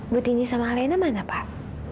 budini sama elena mana pak